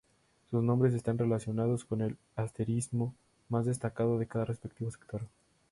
Sus nombres están relacionados con el asterismo más destacado de cada respectivo sector.